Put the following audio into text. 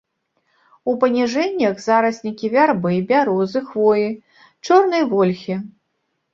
У паніжэннях зараснікі вярбы, бярозы, хвоі, чорнай вольхі.